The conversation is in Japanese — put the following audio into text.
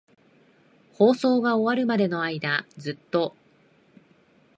放送が終わるまでの間、ずっと。